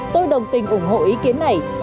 tôi đồng tình ủng hộ ý kiến này